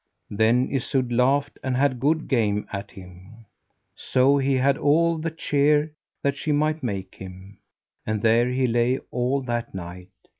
Then Isoud laughed, and had good game at him. So he had all the cheer that she might make him, and there he lay all that night.